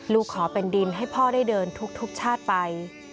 ขอเป็นดินให้พ่อได้เดินทุกชาติไป